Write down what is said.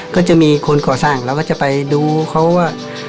ก็จะมีคนก่อสร้างเราก็จะไปดูเขาว่า